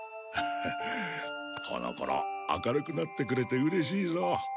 この頃明るくなってくれてうれしいぞ。